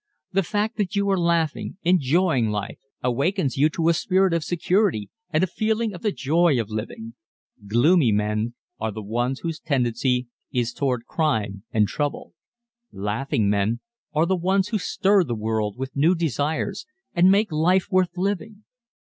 _ The fact that you are laughing, enjoying life, awakens you to a spirit of security and a feeling of the joy of living. Gloomy men are the ones whose tendency is toward crime and trouble. Laughing men are the ones who stir the world with new desires and make life worth living.